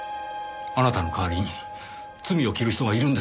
あなたの代わりに罪を着る人がいるんですよ。